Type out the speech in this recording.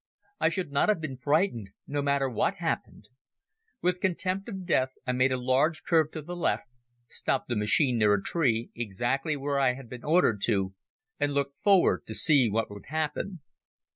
I should not have been frightened no matter what happened. With contempt of death I made a large curve to the left, stopped the machine near a tree, exactly where I had been ordered to, and looked forward to see what would happen.